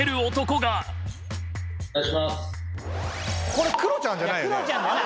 これクロちゃんじゃないよね？